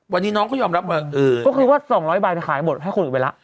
วันนี้น้องก็ยอมรับมาเออก็คือว่าสองร้อยใบมันขายหมดให้คนอื่นไปล่ะ